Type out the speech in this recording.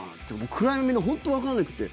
暗闇で本当にわからなくて。